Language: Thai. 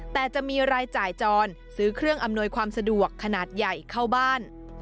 แต่จะมีรายจ่ายจรซื้อเครื่องอำนวยความสะดวกขนาดใหญ่เข้าบ้าน